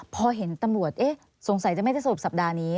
พอเห็นตำรวจเอ๊ะสงสัยจะไม่ได้สรุปสัปดาห์นี้